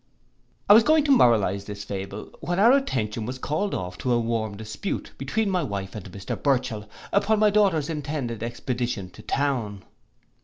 I was going to moralize this fable, when our attention was called off to a warm dispute between my wife and Mr Burchell, upon my daughters intended expedition to town.